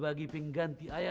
pengiraan ugol panjangsaya